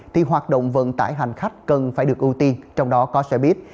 thì hoạt động vận tải hành khách cần phải được ưu tiên trong đó có sẽ biết